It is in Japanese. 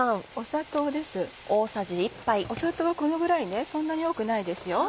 砂糖はこのぐらいそんなに多くないですよ。